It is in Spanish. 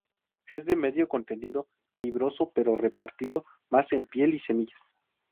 Es de medio contenido fibroso pero repartido más en piel y semillas.